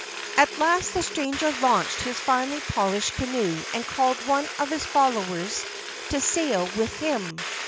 At last the stranger launched his finely polished canoe and called one of his followers to sail with him.